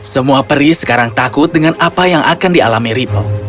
semua peri sekarang takut dengan apa yang akan dialami ripel